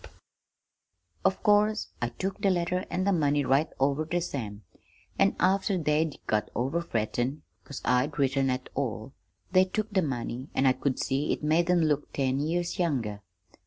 "Of course I took the letter an' the money right over ter Sam, an' after they'd got over frettin' 'cause I'd written at all, they took the money, an' I could see it made 'em look ten years younger.